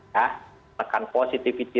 makanan rate positif